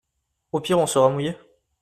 Au pire on sera mouillés.